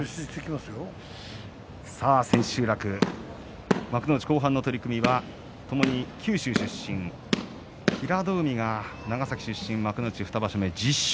千秋楽、幕内後半の取組はともに九州出身平戸海は長崎出身、１０勝４敗。